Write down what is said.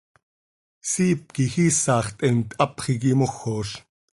Siip quij iisax theemt, hapx iiqui mojoz.